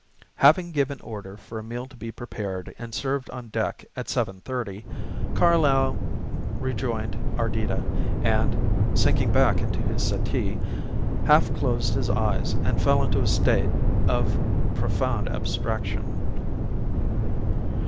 Having given order for a meal to be prepared and served on deck at seven thirty, Carlyle rejoined Ardita, and, sinking back into his settee, half closed his eyes and fell into a state of profound abstraction.